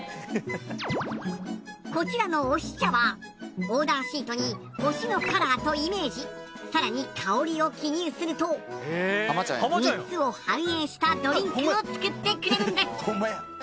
こちらの推し茶はオーダーシートに推しのカラーとイメージさらに香りを記入すると３つを反映したドリンクを作ってくれるんです。